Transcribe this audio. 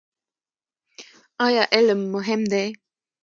ایا علم مهم دی؟